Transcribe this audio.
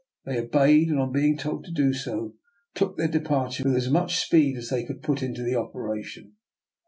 They obeyed; and, on being told to do so, took their departure with as much speed as they could put into the operation.